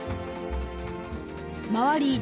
周り